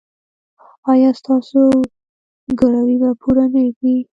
ایا ستاسو ګروي به پوره نه وي؟